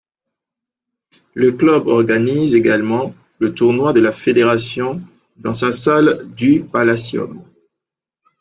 Le club organise également le Tournoi de la Fédération dans sa salle du Palacium.